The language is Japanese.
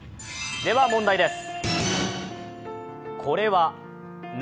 では問題です。